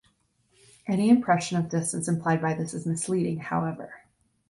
Any impression of distance implied by this is misleading, however.